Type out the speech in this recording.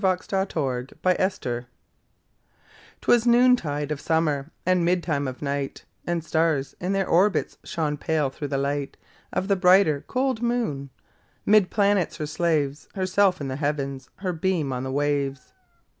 1827 Evening Star 'Twas noontide of summer, And midtime of night, And stars, in their orbits, Shone pale, through the light Of the brighter, cold moon. 'Mid planets her slaves, Herself in the Heavens, Her beam on the waves.